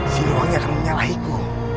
si ruangnya akan menyalahiku